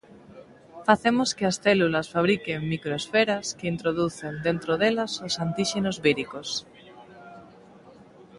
Facemos que as células fabriquen microesferas, que introducen dentro delas os antíxenos víricos...